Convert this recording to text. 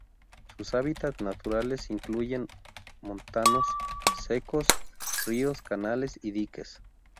Sus hábitats naturales incluyen montanos secos, ríos, canales y diques.